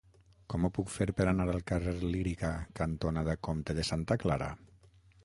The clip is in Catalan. Com ho puc fer per anar al carrer Lírica cantonada Comte de Santa Clara?